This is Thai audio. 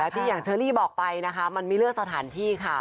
ที่อย่างเชอรี่บอกไปนะคะมันไม่เลือกสถานที่ค่ะ